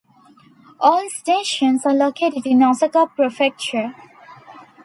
All stations are located in Osaka Prefecture.